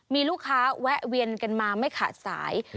มีลูกค้าแวะเวียนกันมาไม่ขาดสาย